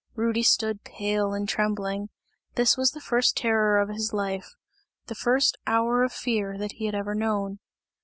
Rudy stood pale and trembling; this was the first terror of his life, the first hour of fear that he had ever known.